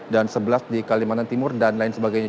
dan sebelas di kalimantan timur dan lain sebagainya